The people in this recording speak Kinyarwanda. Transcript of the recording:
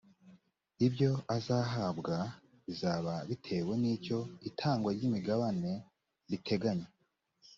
ibyo azahabwa bizababitewe ni icyo itangwa ry imigabane riteganya